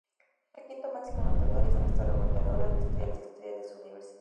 Es el quinto máximo anotador y sexto reboteador de la historia de su universidad.